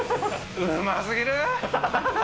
うますぎる！